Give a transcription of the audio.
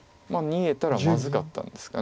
逃げたらまずかったんですか。